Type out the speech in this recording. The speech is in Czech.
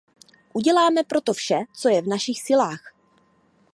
Uděláme pro to vše, co je v našich silách.